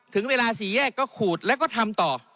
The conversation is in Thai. ถึงเวลาสี่แยกก็ขูดแล้วก็ทำต่อ